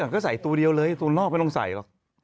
ก็ใส่ตัวเดียวเลยตัวนอกไม่ต้องใส่หรอก